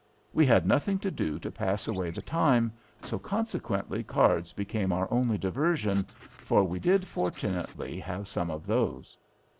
We had nothing to do to pass away the time, so consequently cards became our only diversion, for we did, fortunately, have some of those.